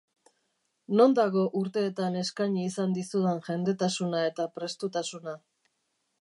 Non dago urteetan eskaini izan dizudan jendetasuna eta prestutasuna?